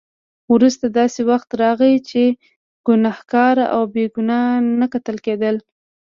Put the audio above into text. وروسته داسې وخت راغی چې ګناهګار او بې ګناه نه کتل کېدل.